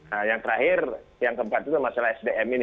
nah yang terakhir yang keempat itu masalah sdm ini